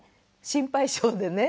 心配性でね